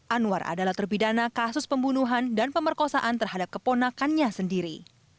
anwar adalah terpidana kasus pembunuhan dan pemerkosaan terhadap keponakannya sendiri